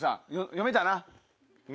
読めたな！